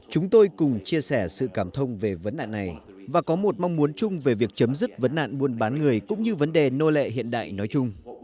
chúng tôi cùng chia sẻ sự cảm thông về vấn đạn này và có một mong muốn chung về việc chấm dứt vấn nạn buôn bán người cũng như vấn đề nô lệ hiện đại nói chung